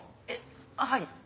はい。